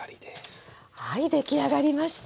はい出来上がりました！